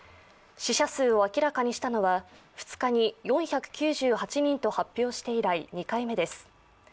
死者数を明らかにしたのは２日に４９８人と発表して以来２回目です。